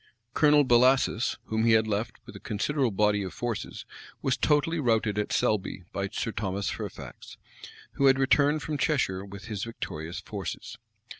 Colonel Bellasis, whom he had left with a considerable body of troops, was totally routed at Selby by Sir Thomas Fairfax, who had returned from Cheshire with his victorious forces.